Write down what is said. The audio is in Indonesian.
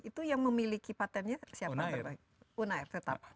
itu yang memiliki patentnya siapa